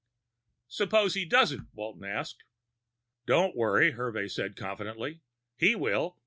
"Suppose he doesn't?" Walton asked. "Don't worry," Hervey said confidently. "He will.